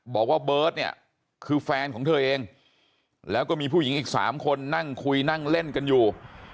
บอกว่าเบิร์ตเนี่ยคือแฟนของเธอเองแล้วก็มีผู้หญิงอีก๓คนนั่งคุยนั่งเล่นกันอยู่